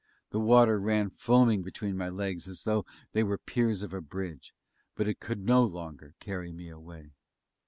The water ran foaming between my legs as though they were the piers of a bridge; but it could no longer carry me away.